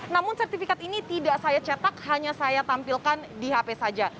namun sertifikat ini tidak saya cetak hanya saya tampilkan di hp saja